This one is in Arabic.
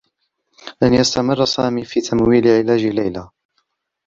لن يستمرّ سامي في تمويل علاج ليلى.